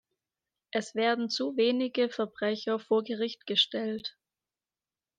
Es werden zu wenige Verbrecher vor Gericht gestellt.